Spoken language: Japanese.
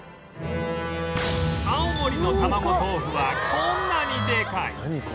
青森の玉子とうふはこんなにでかい